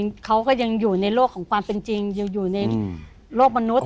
เอ่อเขาก็ยังอยู่ในโลกของความเป็นจริงอยู่ในโลกมนุษย์อะไรอย่างเนี่ย